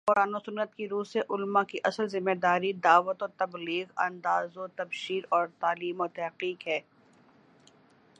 قرآن و سنت کی رو سے علما کی اصل ذمہ داری دعوت و تبلیغ، انذار و تبشیر اور تعلیم و تحقیق ہے